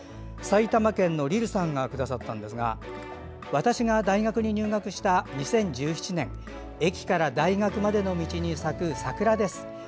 埼玉県のりるさんがくださったんですが私が大学に入学した２０１７年駅から大学までの道に咲く桜です。